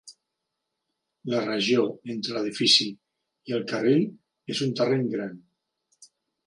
La regió entre l'edifici i el carril és un terreny gran.